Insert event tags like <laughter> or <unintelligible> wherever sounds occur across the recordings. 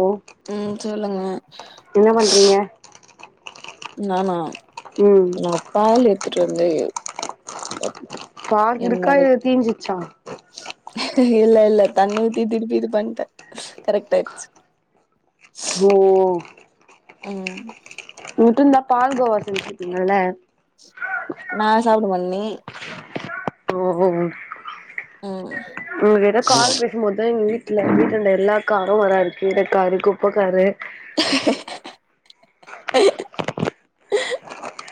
ஓ ம் சொல்லுங்க என்ன பண்றீங்க நானா ம் நா பால் எடுத்துட்டு வந்து ஒ பால் இருக்கா என்னோடை இல்ல தீஞ்சிச்சா இல்ல இல்ல தண்ணி ஊத்தி திருப்பி இது பண்ட கரெக்ட் ஆயிடுச்சு ஓ ம் உட்டு இருந்தான் பால்கோவா செஞ்சிருக்பிங்கல்ல நான் சாப்பிட மாட்னே ஓ உங்க ஏதாவது கால் பேசும்போதுதான் எங்க வீ ட்ல வீட்டன்ட எல்லா காரும் வரா இருக்கு இடக்காரு குப்பக்காரு <unintelligible>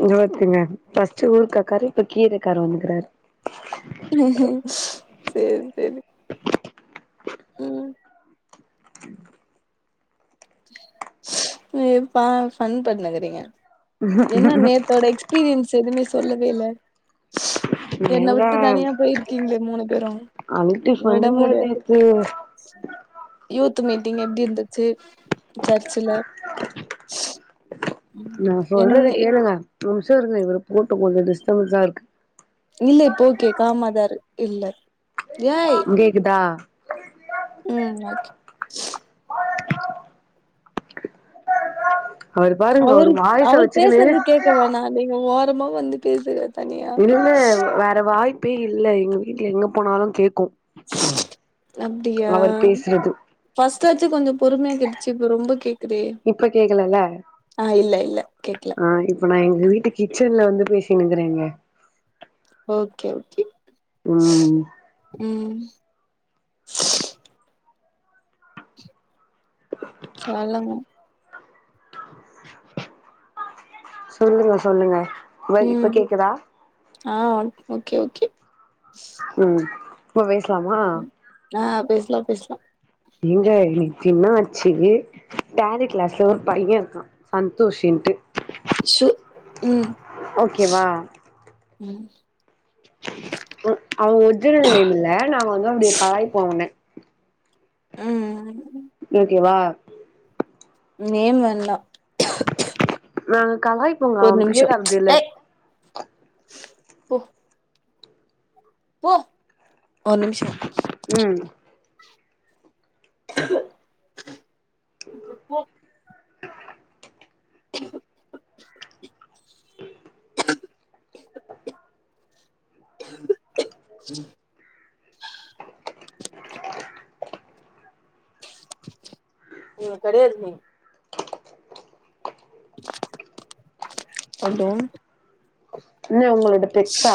இங்க ஒத்துங்க ஃபஸ்ட் ஊருக்காக்காரு இப்ப கீரக்காரு வந்துக்கறாரு செரி செரி ம் அய்ப்பா ஃபன் பண்ண வரீங்க என்ன நேத்தோட எக்ஸ்பீரியன்ஸ் எதுவுமே சொல்லவேல என்ன ஏங்க விட்டு தனியா போயிருக்கீங்க மூணு பேரும் அல்டி விட ஃபன்னுங்க முடியாது நேத்து யூத் நெத்து மீட்டிங் எப்டி இருந்துச்சு சர்ச்சுல நா சொல்றத என் கேளுங்க தொ நிமிஷோ இருங்க இத போட்டு கொஞ்சோ டிஸ்டபன்ஸா இருக்கு இல்ல இப்போ ஓகே காமதர் இல்ல கேக்குதா உம் ஓகே அவரு பாருங்க அவரு வாய்ஸ அவர் பேசுறது வச்சுக்கினு கேட்க வேணா நீங்க ஓரமா வந்து பேசுங்க தனியா இல்ல வேற வாய்ப்பே இல்ல எங்க வீட்டுல எங்க போனாலு கேக்கு அப்டியா அவர் பேசுறது பஸ்ட்டாச்சு கொஞ்சோ பொறுமையா கேட்டுச்சு இப்ப ரொம்ப கேக்குதே இப்ப கேக்கலல்ல ஆ இல்ல இல்ல கேக்கல ஆ இப்ப நா எங்க வீட்டு கிச்சன்ல வந்து பேசினுங்கிறேங்கே ஓகே ஓகே உம் <inaudible> செல்லமா சொல்லுங்க சொல்லுங்க இப்ப ம் கேக்குதா ஆ ங் ஓகே ஓகே உம் இப்ப பேசலாமா ம் ஆ பேசலா பேசலா எங்க இன்னகி ஆச்சு டேலி கிளாஸ்ல ஒரு பையேன் இருக்கா சந்தோஷ் இன்ட்டு உம் ஓகேவா உம் அவுங்க ஒரிஜினல் நேம் இல்ல நாங்க வந்து அப்டி கலாய்ப்போ அவன உம் ஓகேவா நேம் வெண்னா நாங்க கலாய்ப்போங்க அவன் பேர் அது தில்ல ஏய் போ போ ஒரு நிமிஷோ உம் <inaudible> <inaudible> <inaudible> <inaudible> உம் கெடையாதுமே ஒரு டோன் என்ன ஒங்களோட பெட்சா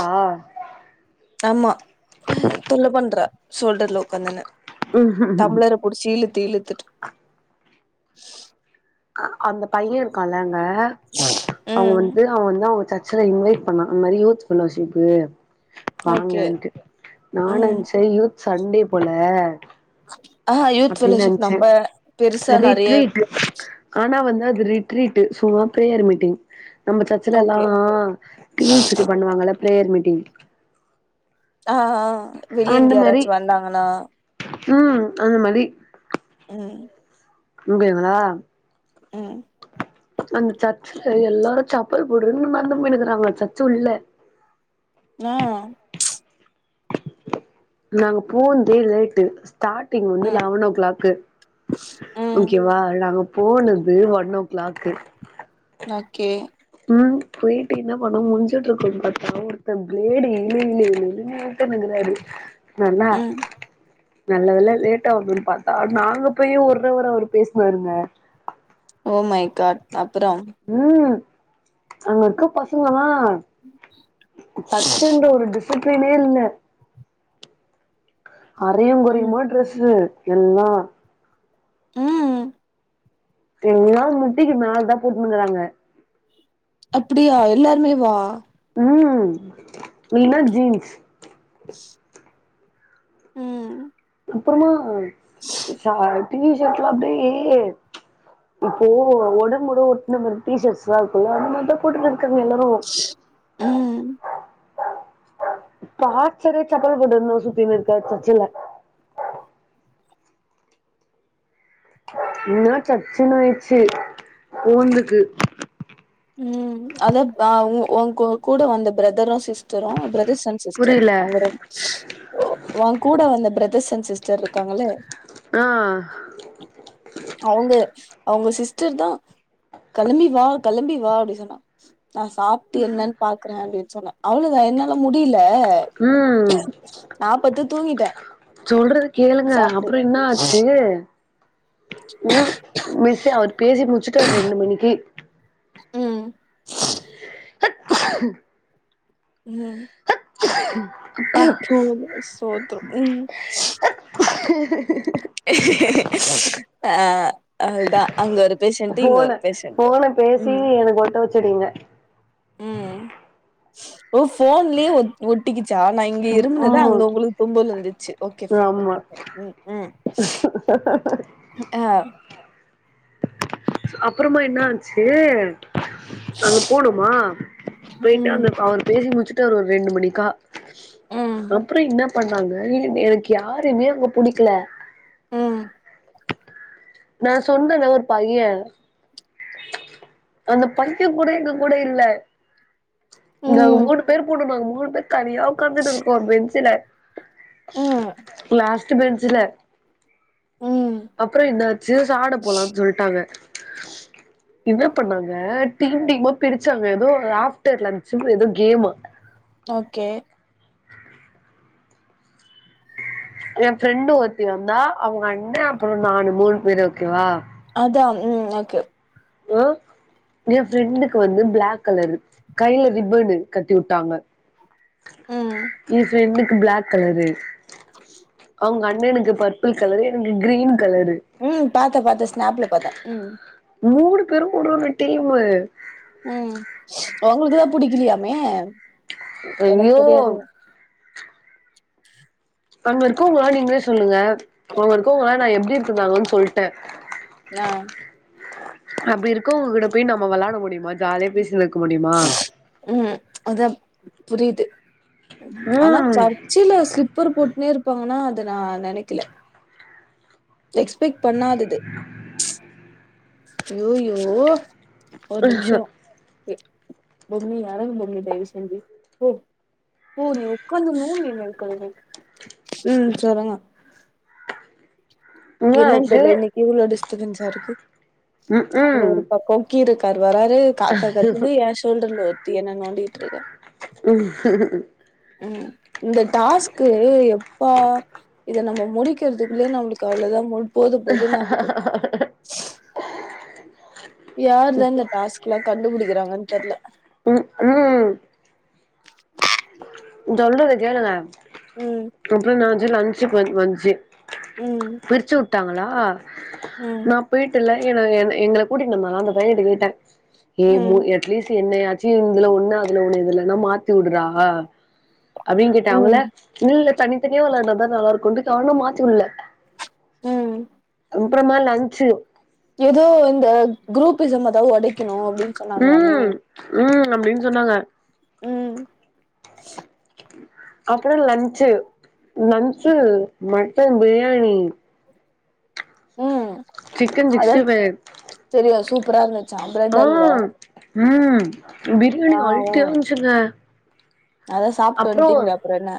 ஆமா ஹ தொல்ல பண்றா சோல்டர்ல உட்காந்துனு தம்டளர புடிச்சு இழுத்து இழுத்துட்டு அந்த பையேன் இருக்கால்லேங்கே அவுங்க ம் வந்து அவ வந்து அவுங்க சர்ச் சுல இன்வைட் பண்ணா அந்த மாரி யூத் பண்ணசீப்பு ஓகே வாங்கன்ட்டு நா ம் நென்சே யூத் சண்டே போல ஆ யூத் அப்டின்னு ஃபெலோஷிப் நெனைச்சே நம்ப பெருசா நெறைய ரிட்டிக்கு ஆனா வந்து து ரிட்ரீட்டு சும்மா பிரேயர் மீட்டிங் நம்ம சர்ச்சுல எல்லா ஓகே டீம்ஸ்க்கு பண்ணுவாங்கல்ல பிரேயர் மீட்டிங் ஆ ஹா வெளியேந்து யாராச்சு வந்தாங்கன்னா உம் அந்த மாரி உம் உங்கென்னளா உம் அந்த சர்ச்சுல எல்லாரு ஜப்பல் போடுன்னு மறந்து போண்ணுக்குறாங்க சர்ச்சு உள்ள நா நாங்க போந்தே லேட்டு ஸ்டாரிங் வந்து ம் லெவன் ஓ கிளாக் ம் ஓகேவா நாங்க போனது ஒன் ஓ க்ளாக்கு ஓகே ம் போயிட்டு என்ன பண்ண முஞ்சுட்டு இருக்கனு பாத்தா ஒருத்த பிளேடு இழு இழு இழுனு இழுத்துகினாரு னாரு நல்லா ம் நல்லதெல்லா லேட்டாவான்னு பார்த்தா நாங்க போயும் ஒருரவ அவர் பேசுனாருங்க ஓ மை காட் அப்புறம் ம் அங்கருக்க பசங்களா சச்சண்ட ஒரு டிசிப்ளினே இல்ல அறையு ம் கொறையுமா ட்ரெஸ்ஸு எல்லா ம் எல்லா முட்டிக்கு மேல தா போட்னுகுறாங்க அப்டியா எல்லாருமே வா ம் மீனா ஜீன்ஸ் ம் அப்புறமா ச டிவிஷர்ட்லா அப்டியே இப்போ ஒடொம்போட ஒட்ன அந்த டீஷர்ஸ்லா இருக்குல அது மட்டு போட்டுருக்கா க்கமே எல்லாமே ஒக் ம் பாச்சரே சக்கர போட்டுந்தா சுத்தனு இருக்காரு சச்சல என்னா சச்சுன்னு ஆயிடுச்சு ஊந்துக்கு ம் அத அ உ உங் உங் உங் கூட வந்த பிரதரு சொ சிஸ்டரு பிரதர்ஸ் அண்ட் சிஸ்டர் புரில அவங்க ரெண் வொங்கூட வந்த பிரத சன் சிஸ்டர் இருக்காங்களே ஆ அவங்க அவங்க சிஸ்டர் தா கெளம்பி வா கெளம்பி வா அப்டி சொன்னா நா சாப்ட்டு என்னன்னு பாக்குறே அப்டினு சொன்னே அவளத என்னால முடில ம் அ நா பத்து தூங்கிட்டே சொல்றத கேளுங்க சாப்ட்டு அப்ற என்ன ஆச்சு ம் மிஸ் அவர் பேசி முச்சுட்டாரு ரெண்டு மணிக்கு ம் ம் போது சோத்துரு ம் அப்பா ஆ அவ்ளதா அங்க ஒரு பேஷன்டு இங்க ஒரு பேஷன்டு சி எனக்கு ஒட்ட வச்சுடிங்க ம் ஒ போன்லயே ஒ ஒட்டிக்கிது சா நா இங்க ம் இரும்புனது அங்க உங்களுக்கு தும்பல் வந்துச்சு ஓகே ஆமா ஓகே ஃபைன் ம் ம் ஆ அப்புறமா என்ன ஆன்ச்சு அங்க போணுமா போயிட் ம் அந்த அவர் பேசி முடிச்சுட்டு அவர் ஒரு ரெண்டு மணிக்கா ம் அப்புற என்ன பண்ணாங்க இ எனக்கு யாருமே அங்க புடிக்கல ம் நா சொன்னன ஒரு பைய அந்த பையித்திய கூட எங்க கூட இல்ல நாங்க ம் மூணு பேர் போணோ நாங்க மூணு பேர் தனியா உக்காந்துட்டு இருக்கோ ஒரு பெஞ்சுல ம் லாஸ்டு பெஞ்சுல ம் அப்புற என்னாச்சு சாப்ட போலானு சொல்ட்டாங்க ஹ என்ன பண்ணாங்க டீம் டீமா பிரிச்சாங்க எதோ ஆஃப்டர் லன்சுனு எதோ கேமா ஓகே எ ஃப்ரெண்டு ஒருத்தி வந்தா அவுங்க அண்ணே அப்றோ நானு மூணு பேரு ஓகேவா அதா ம் ஓகே ஓ எ ஃப்ரெண்டுக்கு வந்து பிளாக் கலரு கைல ரிப்பனு கட்டிவுட்டாங்க ம் எ ஃப்ரெண்டுக்கு பிளாக் கலரு அவுங்க அண்ணனுக்கு பர்பிள் கலரு எனக்கு கிரீன் கலரு ம் பாத்தே பாத்தே ஸ்னாப்ல பாத்தே ம் மூணு பேரும் ஒரு ஒரு டீமு ஒங்களுக்குளா புடிக்கலையாமே எனக்கு ஐயோ தெரியாது அங்க இருக்கவ்ங்களா நீங்களே சொல்லுங்க அவ்ங்க இருக்கவ்ங்களா நா எப்டி இருக்குந்தாங்களோன் சொல்ட்டே என்ன அப்டி இருக்கவ்ங்ககிட்ட போய் நம்ம வெளாட முடியுமான் ஜாலியா பேசினு இருக்க முடியுமா ம் அதா புரியுது ஆனா ம் பர்ச்சைல ஸ்லிப்பர் போட்னே இருப்பாங்கனா அத நா நெனைக்கல எக்ஸ்பெக்ட் பண்ணாதது யோயோ ஒரு நிம்ஷோ எ பொம்மி இறங்கு பொம்மி தயவு செஞ்சு ம் சொல்லுங்க என்னன் என்னாச்சு தெர்ல இன்னைக்கு இவ்ளோ டிஸ்டபென்ஸா இருக்கு ம் அது ம் ஒரு பக்கோ கீரக் வராது காக்கா கத்துது எ ஷோல்டர்ல ஒர்த்தி என்ன நோண்டிட்ருக்கா ம் ம் இந்த டாஸ்கு எப்பா இத நம்ம முடிக்கற்துக்குள்ளே நம்மளுக்கு அவ்ளதா போல் போது போதுன் ஆகுது யாரு தா இந்த டாஸ்க்குலா கண்டுபுடிக்கிறாங்கன் தெர்ல ம் ம் ம் சொல்றத கேளுங்க ம் அப்றோ என்னாச்சு லன்சுக்கு வந் வந்ச்சு ம் பிரிச்சுவுட்டாங்களா ம் நா போய்ட்டுல ஏனா என் எங்கள கூட்டிட்டு நம்ம அந்த பையனுட்டே போய்ட்டா ஏ மூ ம் எட்லீஸ் டு என்னயாச்சு இதுல ஒன்னு அதுல ஒன்னு இதுலனா மாத்திவுடுறா அப்டின் கேட்டே அவ்ங்கள ம் இல்ல தனித்தனியா வெளான்டாதா நல்லா இருக்குன்ட்டு கானு மாத்திவுட்ல ம் ப்றமா லன்ச்சு எது இந்த குரூப்பிசம் அதாவ்து ஒடைக்கணு அப்டின் சொன்னாங்ளாமே அப்டின் சொன்னாங்க ம் அப்றோ லன்ச்சு லன்ச்சு மட்டன் பிரியாணி ம் சிக்கன் அதான சிக்ஸ்டி ஃபைவ் செரியா சூப்பரா இருந்துச்சா ஆ பிரெட் அல்வா ம் ஆ பிரியாணி ம் ஆல்ட்டியான்சுங்க அதா சாப்ட்டு வந்ட்டீங்ளே அப்பற என்ன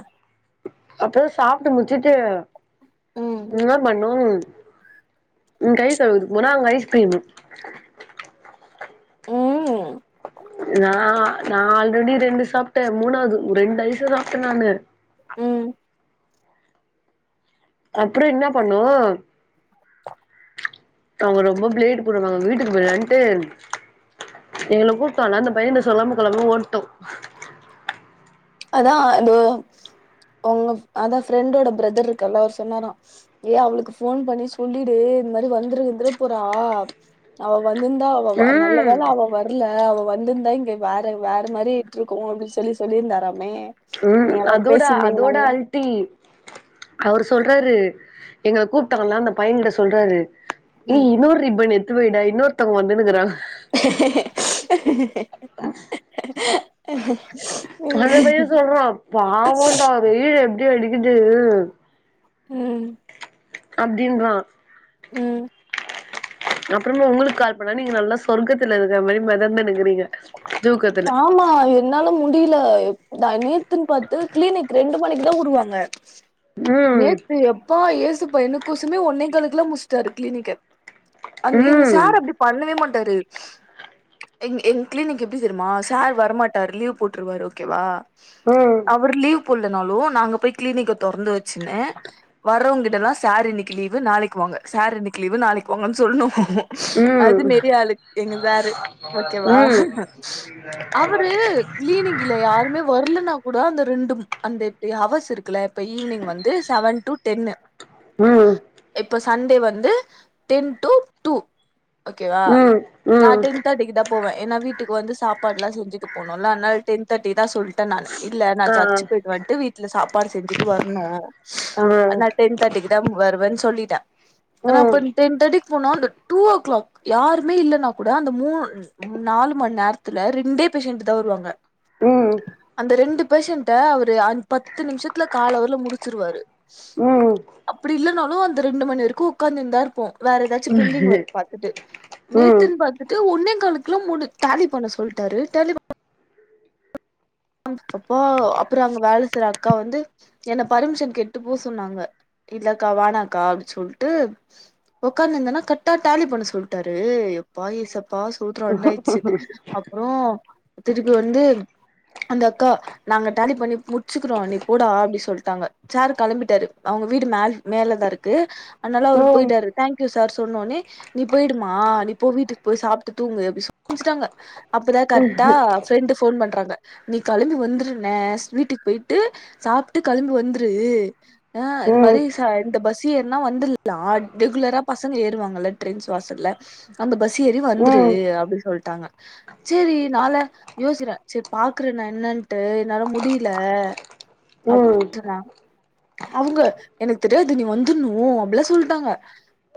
அப்போ சாப்ட்டு முட்ச்சுட்டு ம் இன்ன பண்ணு ம் கை கழுவுறதுக்கு போனா அங்க ஐஸ்க்ரீமு ம் நா நா ஆல்ரெடி ரெண்டு சாப்ட்டே மூணாவ்து ரெண்டு ஐசு சாப்ட்டே நானு ம் அப்றோ என்ன பண்ணு அவ்ங்க ரொம்ப பிளேடு போடுவாங்க வீட்டுக்கு போய்ற்லான்ட்டு எங்கள கூப்பிட்டோன அந்த பையன்ட்ட சொல்லாம கொல்லாம ஓட்டோ அதா இந்தோ உங்க ஃப் அதா ஃப்ரெண்டோட பிரதர்ருக்கார்ல அவுர் சொன்னாரா ஏ அவளுக்கு ஃபோன் பண்ணி சொல்லிடு இந் மாரி வந்தர கிந்தர போறா அவ வந்திர்ந்தா அவ வ ம் நல்லவேள அவ வர்ல அவ வந்திர்ந்தா இங்க வேற வேற மாரி இருந்திருக்கு அப்டி சொல்லி சொல்லிர்ந்தாரா ம் அதோட அதோட அல்ட்டி அவுரு சொல்றாரு எங்கள கூப்ட வந்த அந்த பையங்கிட்ட சொல்றாரு ஏ ம் இன்னோர் ரிப்பனு எட் த்து வெய்டா இன்னோர்த்தவுங் வந்துனுக்கறா <inaudible> அந்த பைய சொல்றா பாவோன்டா அவுரு எப்டி அடிக்குது ம் அப்டின்றா ம் அப்பறமா உங்களுக்கு கால் பண்ணா நீங்க நல்லா சொர்க்கத்துலிருக்கற மாரி மெதந்துனுக்கறீங்க ஆமா என்னால முடியில தா நேத்துன் பாத்து க்ளீனிக் ரெண்டு மணிக்கு தா உடுவாங்க ம் நேத்து எப்பா ஏசுப்பா எனக்கொசர்மே ஒன்னே காலுக்குலா முட்ஸ்ட்டாரு க்ளீனிக்க அது எங்க ம் சார் அப்டி பண்ணவே மாட்டாரு எங் எங் க்ளீனிக் எப்டி தெரிமா சார் வரமாட்டார் லீவ் போட்ருவாரு ஓகேவா ம் அவரு லீவ் புல்லனாலு நாங்க போய் க்ளீனிக்க தொறந்து வெச்சினு வரவங் கிட்டலா சார் இன்னிக்கு லீவு நாளைக் வாங்க சார் இன்னிக்கு லீவு லீவு நாளைக் வாங்கன் சொல்ணு அது ம் மேரி ஆளு எங்க சாரு ஓகேவா ம் அவரு க்ளீனிக்குல யாருமே வர்லனா கூட அந்த ரெண்டும் அந்த இப்டி ஹவர்ஸ் இருக் குல்ல இப்ப ஈவினிங் வந்து செவன் டூ டென்னு ம் இப்ப சண்டே வந்து டென் டூ டூ ஓகேவா ம் நா ம் டென் தேட்டிக்கு தா போவே ஏனா வீட் சாப்பாட்லா செஞ்சிட்டு போனுல்ல அத்னால் டென் தேட்டி தா சொல் ட்டே நானு இல்ல நா ஆ சர்ச்சு போய்ட்டு வந்ட்டு வீட்ல சாப்பாடு செஞ்சிட்டு வர்ணு ஆ அத்னால் டென் தேட்டிக்கு தா வருவன் சொல்லிட்டே ஆனா அப்ப ம் டென் தேட்டி போனா அந்த டூ ஓ கிளாக் யாருமே இல்லன்னா கூட அந்த மூணு ம் நாலு மண் நேரத்துல ரெண்டே பேஷன்ட்டு தா வருவாங்க ம் அந்த ரெண்டு பேஷன்ட்ட அவுரு ஒரு ஆஞ் பத்து நிம்ஷத்துல கால் அவர்ல முடிச்சிருவாரு ம் அப்பிடி இல்லனா லு அந்த ரெண்டு மணி வரைக்கு உக்காந்துன்தா இருப்போ வேற எதாச்சு பெண்டிங் ஒர்க் பாத்துட்டு நேத்துன் பாத்துட்டு ஒன்னே காலுக்குலா முடி டேலி பண்ண சொல்ட்டாரு டேலி <inaudible> ம் அப்போ அப்றோ அங்க வேல செய்ற அக்கா வந்து என்ன பர்மிஷன் கேட்டு போ சொன்னாங்க இல்லக்கா வேணாக்கா அப்டி சொல்ட்டு ஒக்காந்திந்தனா கர்ட்டா டேலி பண்ண சொல்ட்டாரு அப்பா ஏசப்பா சூத்திரோ ரெண்டாயிட்ச்சி அப்றோ திருப்பி வந்து அந்த அக்கா நாங்க டேலி பண்ணி முட்ச்சிக்கிறோ நீ போடா அப்டி சொல்ட்டாங்க. சாரு களம்பிட்டாரு அவங்க வீடு மேல் மேல தா இருக்கு அத்னால அவரு ம் ம் போயிட்டாரு தேங்க்யூ சார் சொன்னோன்னே நீ போயி்டுமா நீ போ வீட்டுக்கு போய் சாப்ட்டு தூங்கு அப்டி சொ அம்ச்சுட்டாங்க அப்ப தா கர்ட்டா ஃப்ரெண்டு ஃபோன் பண்றாங்க நீ களம்பி வந்துருனே ஸ் வீட்டுக்கு போய்ட்டு சாப்ட்டு களம்பி வந்துரு ஆ இந் ம் மாரி ச இந்த பஸ்ஸு ஏர்னா வந்துர்லா ரெகுலரா பசங்க ஏறுவாங்கல்ல ட்ரென்ஸ் வாசல்ல அந்த பஸ் ஸு ஏறி வந்துரு ம் அப்டி சொல்ட்டாங்க சேரி நாள யோசிக்றே பாக்கற நா என்னன்ட்டு என்னால முடியில ம் <inaudible> அவுங்க எனக் தெரியாது நீ வந்துர்ணு அப்டிலா சொல்ட்டாங்க